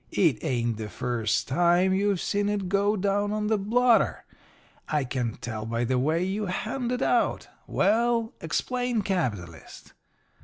'It ain't the first time you've seen it go down on the blotter. I can tell by the way you hand it out. Well, explain "capitalist."'